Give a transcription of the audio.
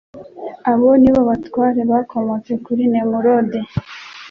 abo ni bo batware bakomotse kuri nemulodi